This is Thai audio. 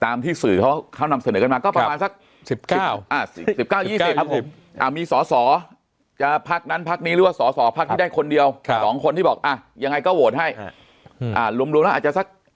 อ่ะมีสอสอจะพักนั้นพักนี้หรือว่าสอสอพักที่ได้คนเดียวสองคนที่บอกอ่ะยังไงก็โหวตให้อ่ะหลวงแล้วอาจจะสัก๒๕๒๖